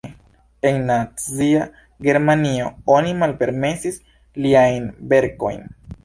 En Nazia Germanio oni malpermesis liajn verkojn.